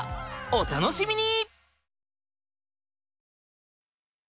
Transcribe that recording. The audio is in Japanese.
お楽しみに！